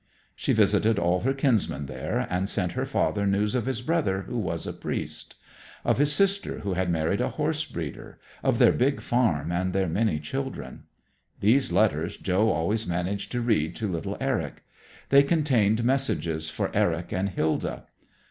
She visited all her kinsmen there, and sent her father news of his brother, who was a priest; of his sister, who had married a horse breeder of their big farm and their many children. These letters Joe always managed to read to little Eric. They contained messages for Eric and Hilda.